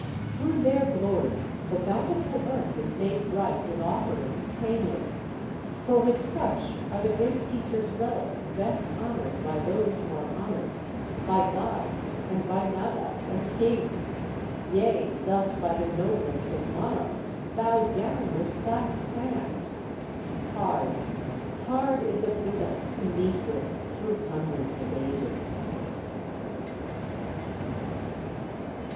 Through their glory the bountiful earth is made bright with offerings painless, for with such are the Great Teacher's relics best honored by those who are honored, by gods and by Nagas and kings, yea, thus by the noblest of monarchs bow down with clasped hands! Hard, hard is a Buddha to meet with through hundreds of ages!